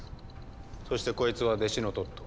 そしてこいつは弟子のトット。